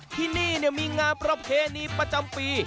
ที่นี่มีงานประเพณีประจำปี